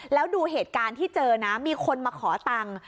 แล้วดูเหตุการณ์ที่เจอนะมีคนมาขอตังค์